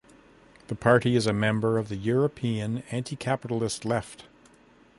The party is a member of the European Anticapitalist Left.